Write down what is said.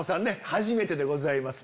初めてです。